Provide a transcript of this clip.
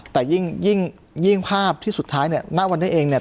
แต่ยิ่งภาพที่สุดท้ายเนี่ยณวันนี้เองเนี่ย